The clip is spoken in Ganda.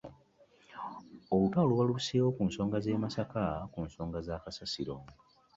Olutalo lubaluseewo ku bakulembeze b'e Masaka ku nsonga za kasasiro.